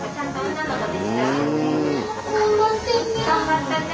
頑張ったね。